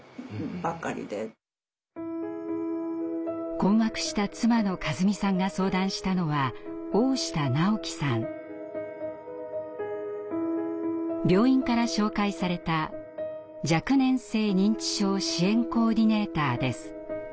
困惑した妻の和美さんが相談したのは病院から紹介された若年性認知症支援コーディネーターです。